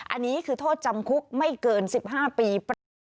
อันนี้คือโทษจำคุกไม่เกิน๑๕ปี